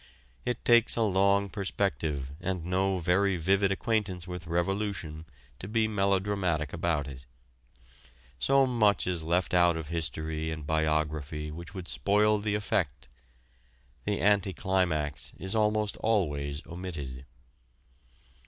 It takes a long perspective and no very vivid acquaintance with revolution to be melodramatic about it. So much is left out of history and biography which would spoil the effect. The anti climax is almost always omitted.